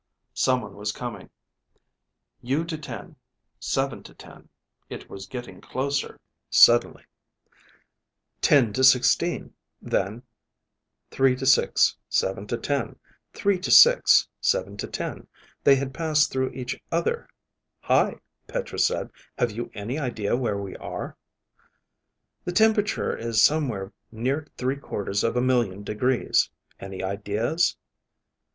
(Someone was coming.) U to 10, 7 to 10, (It was getting closer; suddenly:) 10 to 16! (Then:) 3 to 6, 7 to 10, 3 to 6, 7 to 10, (they had passed through each other. Hi, Petra said. Have you any idea where we are?) (_The temperature is somewhere near three quarters of a million degrees. Any ideas?